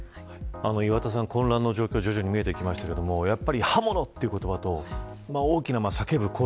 岩田さん、混乱の状況徐々に見えてきましたけれども刃物という言葉と大きな叫ぶ声